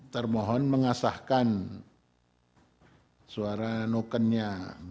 termohon mengasahkan suara nukennya